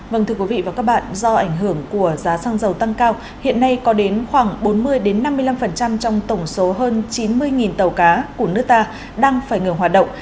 vâng thưa quý vị và các bạn do ảnh hưởng của giá xăng dầu tăng cao hiện nay có đến khoảng bốn mươi năm mươi năm trong tổng số hơn chín mươi tàu cá của nước ta đang phải ngừng hoạt động